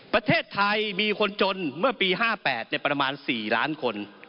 ประเทศไทยมีคนจนเมื่อปี๕๘ประมาณ๔ล้านคน